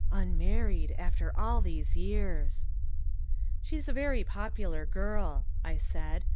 "Unmarried after all these years!" "She's a very popular girl," I said.